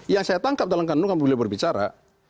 yang saya tangkap dalam kandungan beliau berbicara